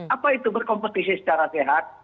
apa itu berkompetisi secara sehat